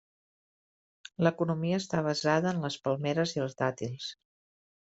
L'economia està basada en les palmeres i els dàtils.